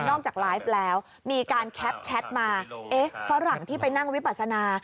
จากไลฟ์แล้วมีการแคปแชทมาเอ๊ะฝรั่งที่ไปนั่งวิปัสนา